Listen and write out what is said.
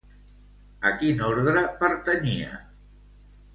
A quin ordre pertanyia?